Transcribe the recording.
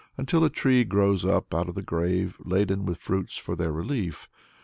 until a tree grows up out of the grave laden with fruits for their relief.